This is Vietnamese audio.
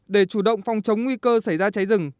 để chủ động phòng chống nguy cơ xảy ra cháy rừng